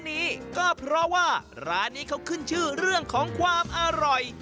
นี้ก็เพราะว่าร้านนี้เขาขึ้นชื่อเรื่องของความอร่อย